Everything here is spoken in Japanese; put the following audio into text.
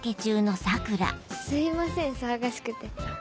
すいません騒がしくて。